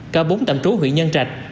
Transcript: cả bốn tạm trú huyện nhân trạch